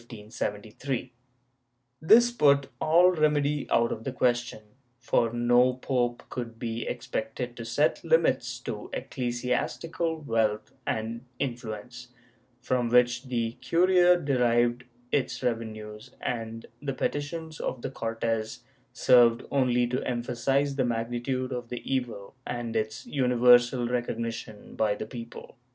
* This put all remedy out of the question, for no pope could be expected to set limits to ecclesiastical wealth and influence, from which the curia derived its revenues; and the petitions of the Cortes served only to emphasize the magnitude of the evil and its universal recognition by the people.